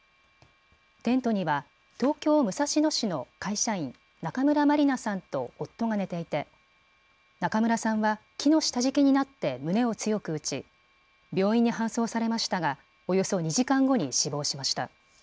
テントには東京武蔵野市の会社員、中村まりなさんと夫が寝ていて中村さんは木の下敷きになって胸を強く打ち病院に搬送されましたがおよそ２時間後に死亡しました。